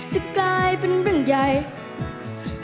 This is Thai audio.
จะกลายเป็นเรื่องใหญ่